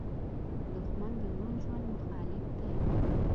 دښمن د روڼ ژوند مخالف دی